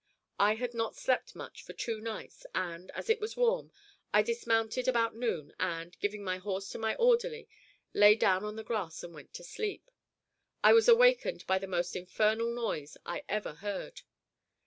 I had not slept much for two nights, and, as it was warm, I dismounted about noon and, giving my horse to my orderly, lay down on the grass and went to sleep. I was awakened by the most infernal noise I ever heard.